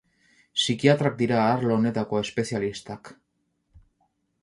Psikiatrak dira arlo honetako espezialistak.